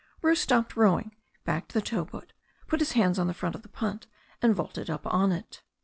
Bruce stopped rowing, backed the tow boat, put his hands on the front of the punt, and vaulted up on it.